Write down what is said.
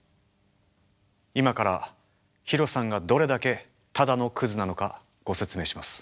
今からヒロさんがどれだけただのクズなのかご説明します。